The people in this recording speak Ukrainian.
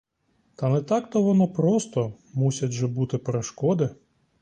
Та не так то воно просто — мусять же бути перешкоди!